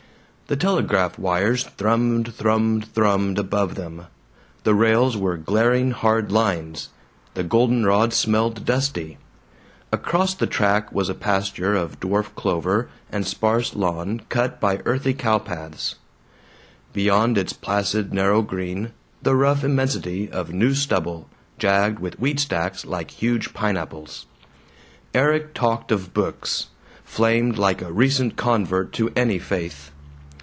The telegraph wires thrummed, thrummed, thrummed above them; the rails were glaring hard lines; the goldenrod smelled dusty. Across the track was a pasture of dwarf clover and sparse lawn cut by earthy cow paths; beyond its placid narrow green, the rough immensity of new stubble, jagged with wheat stacks like huge pineapples. Erik talked of books; flamed like a recent convert to any faith.